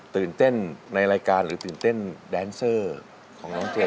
ตื่นเต้นในรายการหรือตื่นเต้นแดนเซอร์ของน้องเจม